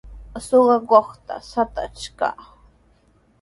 Suqakuqta saytash kaa.